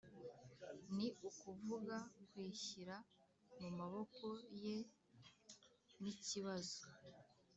ni ukuvuga kwishyira mu maboko ye nikibazo